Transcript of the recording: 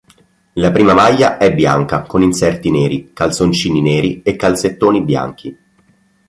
La prima maglia è bianca con inserti neri, calzoncini neri e calzettoni bianchi.